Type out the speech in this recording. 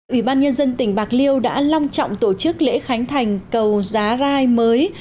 ủy ban nhân dân tỉnh bạc liêu đã long trọng tổ chức lễ khánh thành cầu giá rai mới